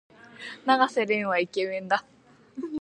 永瀬廉はイケメンだ。